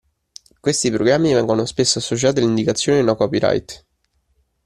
Questi programmi vengono spesso associati all'indicazione "no copyright".